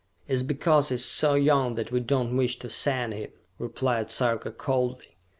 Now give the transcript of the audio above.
"It is because he is so young that we do not wish to send him," replied Sarka coldly.